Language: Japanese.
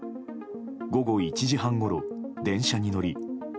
午後１時半ごろ電車に乗り